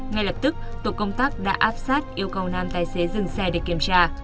ngay lập tức tổ công tác đã áp sát yêu cầu nam tài xế dừng xe để kiểm tra